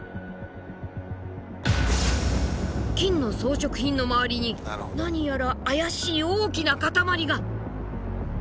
金の装飾品の周りに何やら怪しい大きな塊が。